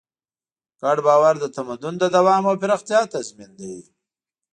ګډ باور د تمدن د دوام او پراختیا تضمین دی.